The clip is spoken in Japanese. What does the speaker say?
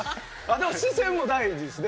でも視線も大事ですね。